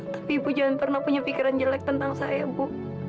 tapi ibu jangan pernah punya pikiran jelek tentang saya bu